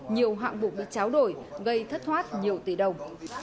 nhiều hạng bụng bị tráo đổi gây thất thoát nhiều tỷ đồng